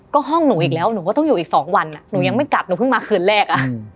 ก็ห้องหนูอีกแล้วหนูก็ต้องอยู่อีก๒วันหนูยังไม่กลับหนูเพิ่งมาคืนแรก